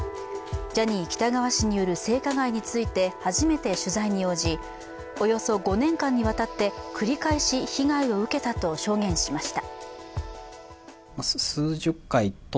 ジャニー喜多川氏による性加害について初めて取材に応じ、およそ５年間にわたって繰り返し被害を受けたと証言しました。